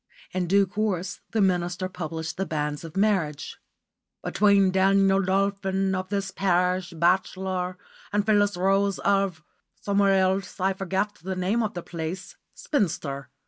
In due course the minister published the banns of marriage "between Daniel Dolphin, of this parish, bachelor, and Phyllis Rose, of" somewhere else, I forget the name of the place "spinster."